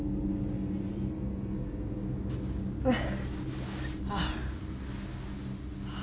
・えっ？